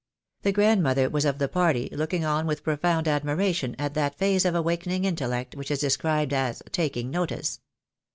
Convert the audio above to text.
The grandmother was of the party, looking on with profound admiration at that phase of awakening intellect which is described as "taking notice."